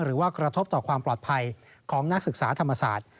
กระทบต่อความปลอดภัยของนักศึกษาธรรมศาสตร์